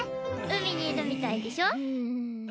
海にいるみたいでしょ？